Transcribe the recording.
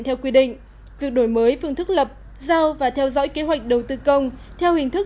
theo quy định việc đổi mới phương thức lập giao và theo dõi kế hoạch đầu tư công theo hình thức